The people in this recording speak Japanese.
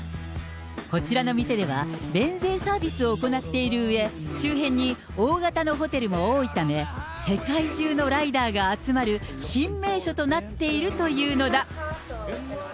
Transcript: こちらの店では免税サービスを行っているうえ、周辺に大型のホテルも多いため、世界中のライダーが集まる新名所となっているというのだ。